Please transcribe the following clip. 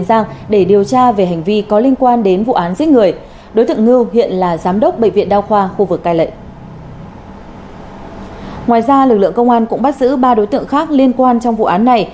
xa lực lượng công an cũng bắt giữ ba đối tượng khác liên quan trong vụ án này